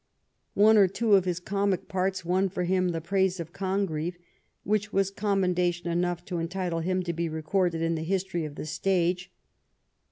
One or two of his comic parts won for him the praise of Congreve, which was commendation enough to entitle him to be recorded in the history of the stage.